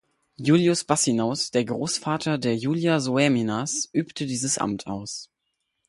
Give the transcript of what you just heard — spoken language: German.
Julius Bassianus, der Großvater der Julia Soaemias, übte dieses Amt aus.